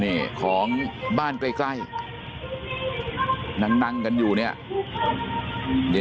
เนี่ยของบ้านใกล้นั่งกันอยู่เนี่ย